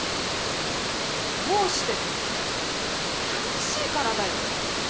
どうしてって楽しいからだよ！